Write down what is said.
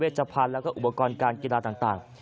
ชพันธ์แล้วก็อุปกรณ์การกีฬาต่าง